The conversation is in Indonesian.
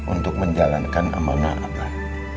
untuk menjalankan amanah abah